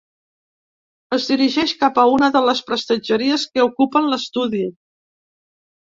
Es dirigeix cap a una de les prestatgeries que ocupen l’estudi.